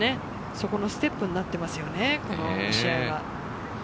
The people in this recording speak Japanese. そこのステップになっていますよね、この試合は。